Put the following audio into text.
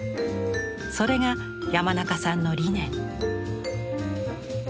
それが山中さんの理念。